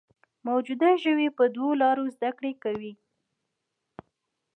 موجوده ژوي په دوو لارو زده کړه کوي.